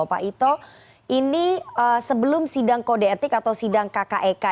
pak ito ini sebelum sidang kode etik atau sidang kkek digelar oleh polri